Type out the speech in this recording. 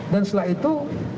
dan setelah itu